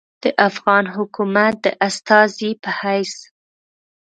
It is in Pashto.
د افغان حکومت د استازي پۀ حېث